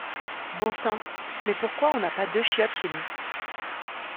Bon sang mais pourquoi on n'a pas deux chiottes chez nous!